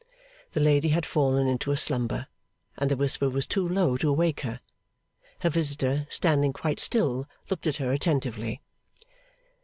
The lady had fallen into a slumber, and the whisper was too low to awake her. Her visitor, standing quite still, looked at her attentively.